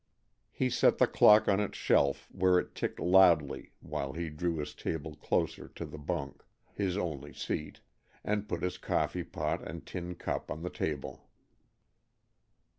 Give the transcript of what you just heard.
He set the clock on its shelf where it ticked loudly while he drew his table closer to the bunk, his only seat, and put his coffeepot and tin cup on the table.